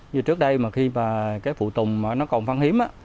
như trước đây mà khi phụ tùng còn phân hiếm